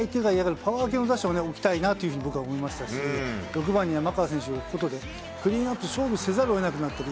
これだけの打者を置きたいなっていうふうに僕は思いましたし、６番に山川選手を置くことで、クリーンアップ勝負せざるをえなくなってくる。